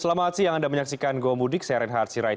selamat siang anda menyaksikan goa mudik saya renhard sirait